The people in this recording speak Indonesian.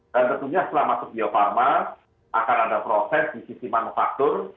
dan tentunya setelah masuk bio farma akan ada proses di sisi manufaktur